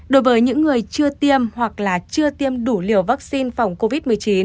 đối với những người chưa tiêm hoặc là chưa tiêm đủ liều vaccine phòng covid một mươi chín